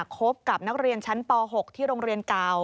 คบกับนักเรียนชั้นป๖ที่โรงเรียนเก่า